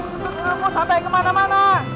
untuk menemukanmu sampai kemana mana